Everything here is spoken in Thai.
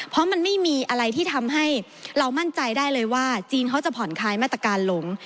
เพราะมันไม่มีอะไรที่ทำให้เรามั่นใจได้เลยว่าจีนเขาจะผ่อนคลายมาตรการลง